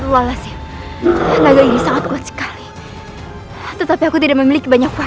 laga ini sangat kuat sekali